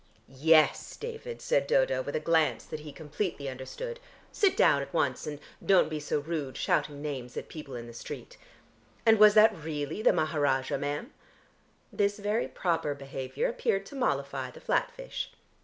"Yes, David," said Dodo with a glance that he completely understood. "Sit down at once, and don't be so rude, shouting names at people in the street. And was that really the Maharajah, ma'am?" This very proper behaviour appeared to mollify the flat fish.